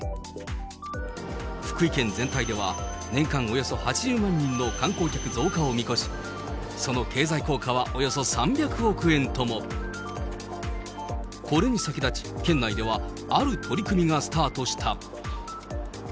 福井県全体では、年間およそ８０万人の観光客増加を見越し、その経済効果はおよそ３００億円とも。これに先立ち、県内ではある取り組みがスタートした。